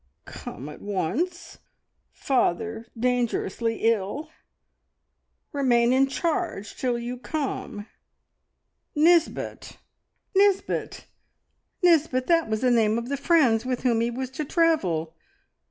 "Come at once. Father dangerously ill. Remain in charge till you come. Nisbet." "Nisbet! Nisbet! That was the name of the friends with whom he was to travel.